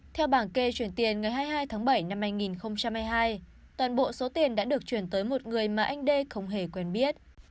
theo bảng kê chuyển tiền ngày hai mươi hai tháng bảy năm hai nghìn hai mươi hai toàn bộ số tiền đã được chuyển tới một người mà anh đê không hề quen biết